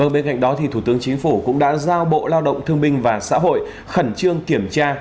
bên cạnh đó thủ tướng chính phủ cũng đã giao bộ lao động thương binh và xã hội khẩn trương kiểm tra